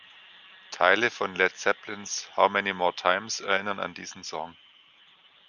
Teile von Led Zeppelins „How Many More Times“ erinnern an diesen Song.